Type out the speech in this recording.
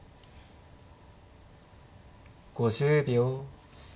５０秒。